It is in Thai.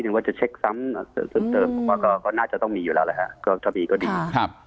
ฉันจะเช็คซ้ำเติมก็น่าจะต้องมีอยู่แล้วค่ะ